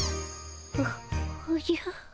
おおじゃ。